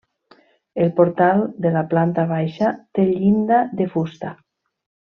El portal de la planta baixa té llinda de fusta.